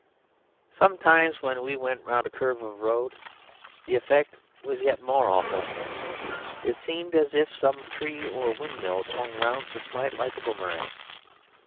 Sometimes when we went round a curve of road, the effect was yet more awful. It seemed as if some tree or windmill swung round to smite like a boomerang.